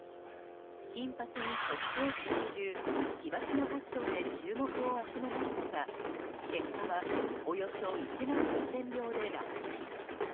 金髪に特攻服という奇抜なファッションで注目を集めましたが結果はおよそ１万２０００票で落選。